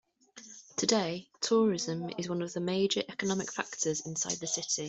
Today, tourism is one of the major economic factors inside the city.